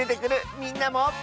みんなも。